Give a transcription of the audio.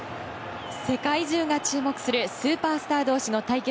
世界中が注目するスーパースター同士の対決。